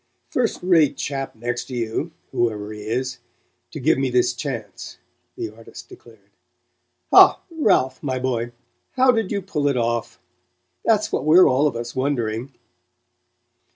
"First rate chap next to you whoever he is to give me this chance," the artist declared. "Ha, Ralph, my boy, how did you pull it off? That's what we're all of us wondering."